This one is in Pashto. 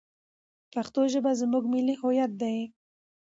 پښتو ژبه زموږ ملي هویت دی.